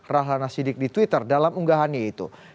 rahlana sidik di twitter dalam unggahannya itu